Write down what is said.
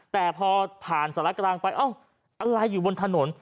แต่พอผ่านสารกลางไปเอ้าอะไรอยู่บนถนน